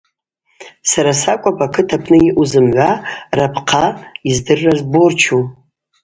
Сара сакӏвпӏ акыт апны йаъу зымгӏва рапхъа йыздырра зборчу.